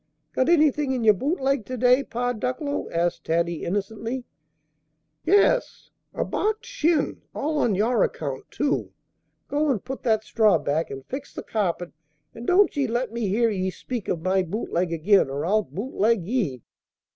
"Got anything in your boot leg to day, Pa Ducklow?" asked Taddy, innocently. "Yes, a barked shin! all on your account, too! Go and put that straw back, and fix the carpet; and don't ye let me hear ye speak of my boot leg again, or I'll boot leg ye!"